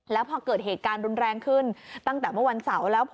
แล้วพอเกิดเหตุการณ์รุนแรงขึ้นตั้งแต่เมื่อวันเสาร์แล้ว